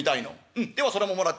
うんではそれももらっていく。